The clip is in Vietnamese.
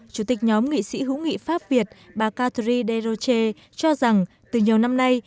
chủ tịch nhóm nghị sĩ hữu nghị pháp việt bà catherine desrochers cho rằng từ nhiều năm nay